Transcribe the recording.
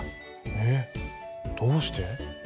えどうして？